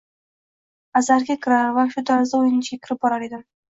Azartga kirar va shu tarzda oʻyin ichiga kirib borar edim